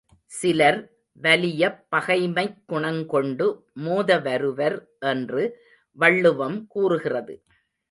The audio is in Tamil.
சிலர் வலியப் பகைமைக் குணங்கொண்டு மோதவருவர் என்று வள்ளுவம் கூறுகிறது.